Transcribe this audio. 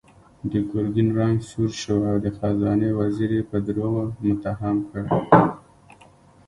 د ګرګين رنګ سور شو او د خزانې وزير يې په دروغو متهم کړ.